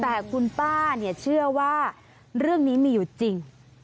แต่คุณป้าเชื่อว่าเรื่องนี้มีอยู่จริง